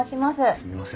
すみません